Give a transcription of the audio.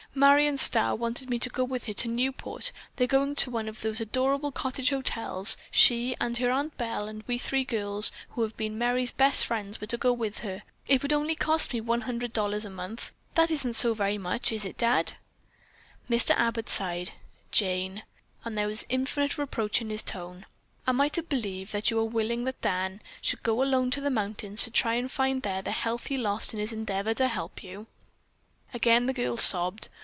Marion Starr wanted me to go with her to Newport. They're going to one of those adorable cottage hotels, she and her Aunt Belle, and we three girls who have been Merry's best friends were to go with her. It would only cost me one hundred dollars a month. That isn't so very much, is it, Dad?" Mr. Abbott sighed. "Jane," and there was infinite reproach in his tone, "am I to believe that you are willing that Dan should go alone to the mountains to try to find there the health he lost in his endeavor to help you?" Again the girl sobbed.